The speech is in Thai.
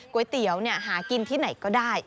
ก๋วยเตี๋ยวหากินที่ไหนก็ได้